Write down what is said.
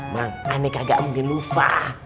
nah aneh kagak mungkin lupa